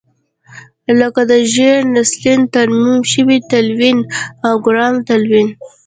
لکه د ژیل نیلسن ترمیم شوی تلوین او ګرام تلوین.